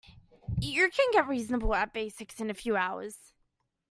You can get reasonable at the basics in a few hours.